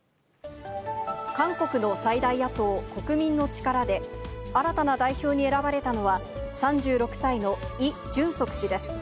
韓国の最大野党・国民の力で、新たな代表に選ばれたのは、３６歳のイ・ジュンソク氏です。